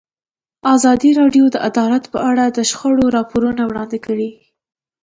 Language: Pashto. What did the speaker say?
ازادي راډیو د عدالت په اړه د شخړو راپورونه وړاندې کړي.